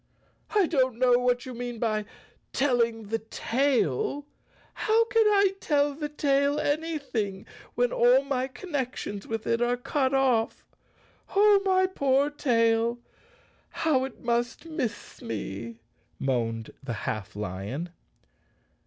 "I don't know what you mean by telling the tail. How can I tell the tail anything when all my connec¬ tions with it are cut off? Oh, my poor tail, how it must miss me!" moaned the half lion.